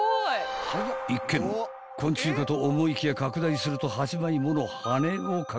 ［一見昆虫かと思いきや拡大すると８枚もの羽を確認］